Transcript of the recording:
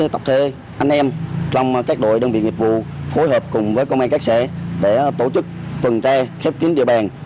tập thể anh em trong các đội đơn vị nghiệp vụ phối hợp cùng với công an các xã để tổ chức tuần tre khép kiến địa bàn